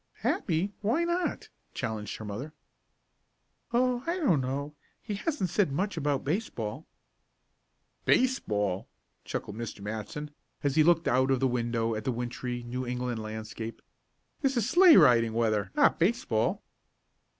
"Happy why not?" challenged her mother. "Oh, I don't know. He hasn't said much about baseball." "Baseball!" chuckled Mr. Matson, as he looked out of the window at the wintry New England landscape. "This is sleigh riding weather not baseball."